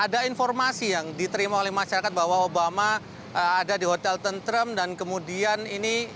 jadi ini adalah informasi yang diterima oleh masyarakat bahwa obama ada di hotel tentrem dan kemudian dia menunggu di pinggir jalan